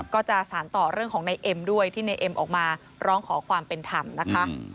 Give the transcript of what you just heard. ก็จะสารต่อของในเอ็มด้วยที่นายเอ็มเอามาลองขอความเป็นธรรมนะคะ